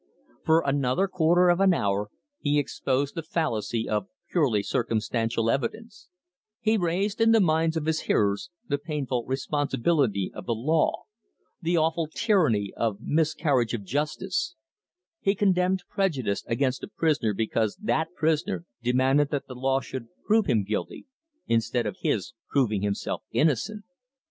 For another quarter of an hour he exposed the fallacy of purely circumstantial evidence; he raised in the minds of his hearers the painful responsibility of the law, the awful tyranny of miscarriage of justice; he condemned prejudice against a prisoner because that prisoner demanded that the law should prove him guilty instead of his proving himself innocent.